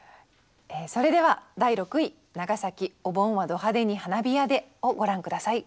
それでは第６位「長崎お盆はド派手に花火屋で」をご覧下さい。